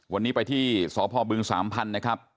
วันนี้ไปที่สพบึงสามพันธุ์นะครับ